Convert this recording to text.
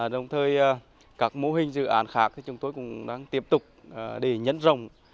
đồng thời các mô hình dự án khác chúng tôi cũng đang tiếp tục để nhân rồng